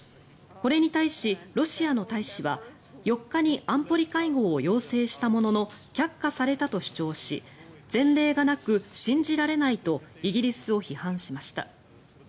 これに対し、ロシアの大使は４日に安保理会合を要請したものの却下されたと主張し前例がなく信じられないとイギリスを批判しました。